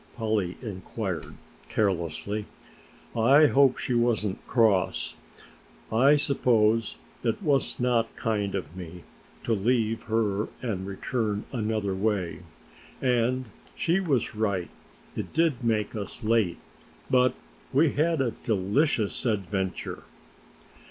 Polly inquired carelessly. "I hope she wasn't cross; I suppose it was not kind of me to leave her and return another way, and she was right, it did make us late, but we had a delicious adventure!"